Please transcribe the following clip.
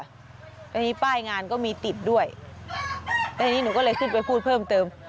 อันนี้ป้ายงานก็มีติดด้วยแล้วทีนี้หนูก็เลยขึ้นไปพูดเพิ่มเติม